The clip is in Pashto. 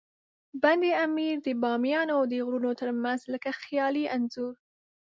بند امیر د بامیانو د غرونو ترمنځ لکه خیالي انځور.